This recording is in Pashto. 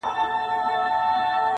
مقرر سوه دواړه سم یوه شعبه کي,